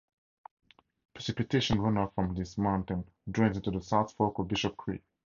Precipitation runoff from this mountain drains into the South Fork of Bishop Creek.